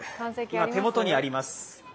今、手元にあります。